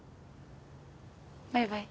バイバイ。